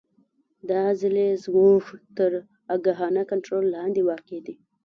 دا عضلې زموږ تر آګاهانه کنترول لاندې واقع دي.